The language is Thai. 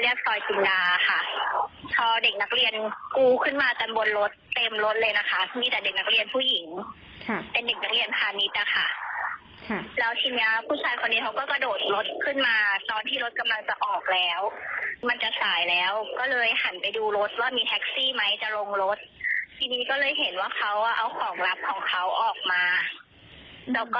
เอาของรับของเขาออกมาแล้วก็ทำจิตตัดตามของเขา